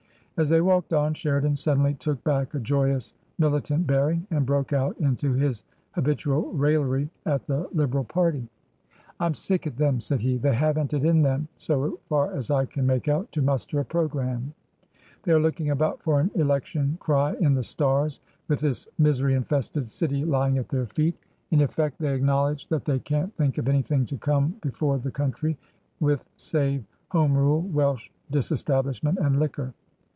As they walked on Sheridan suddenly took back a joyous militant bearing and broke out into his habitual raillery at the Liberal party. " I'm sick at them," said he ;" they haven't it in them, so far as I can make out, to muster a Programme. They are looking about for an election cry in the Stars with this misery infested city lying at their feet. In effect TRANSITION. 293 they acknowledge that they can't think of anything to come before the country with save Home Rule, Welsh Disestablishment, and Liquor.